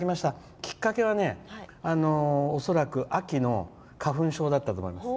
きっかけはね、恐らく秋の花粉症だったと思います。